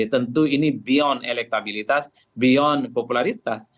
tentu ini beyond elektabilitas beyond popularitas